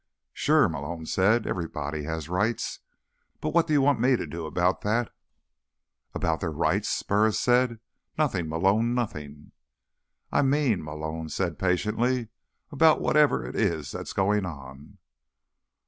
"Sure," Malone said. "Everybody has rights. But what do you want me to do about that?" "About their rights?" Burris said. "Nothing, Malone. Nothing." "I mean," Malone said patiently, "about whatever it is that's going on."